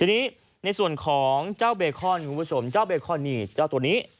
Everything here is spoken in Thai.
ทีนี้ในส่วนของเจ้าเบคอนคุณผู้ชมเจ้าเบคอนนี่เจ้าตัวนี้